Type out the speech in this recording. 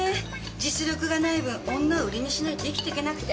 実力がないぶん女を売りにしないと生きていけなくて。